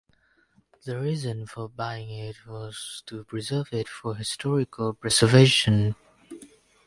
The reason for buying it was to preserve it for historical preservation.